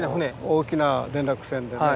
大きな連絡船でね。